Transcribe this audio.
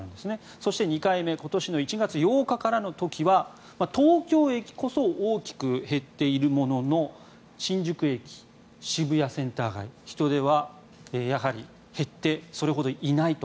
そして２回目今年の１月８日からの時は東京駅こそ大きく減っているものの新宿駅、渋谷センター街人出は、やはり減ってはそれほどいないと。